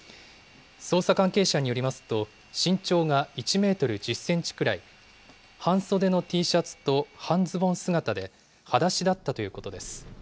捜査関係者によりますと、身長が１メートル１０センチくらい、半袖のＴシャツと半ズボン姿で、はだしだったということです。